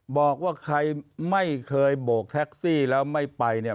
บอกว่าใครไม่เคยโบกแท็กซี่แล้วไม่ไปเนี่ย